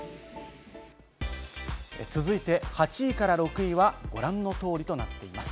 続いて８位から６位はご覧の通りとなっています。